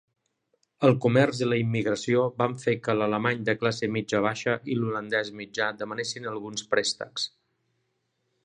El comerç i la immigració van fer que l'alemany de classe mitja-baixa i l'holandès mitjà demanessin alguns préstecs.